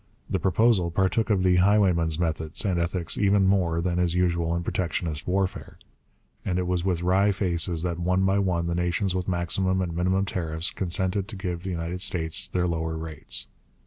The proposal partook of the highwayman's methods and ethics even more than is usual in protectionist warfare; and it was with wry faces that one by one the nations with maximum and minimum tariffs consented to give the United States their lower rates.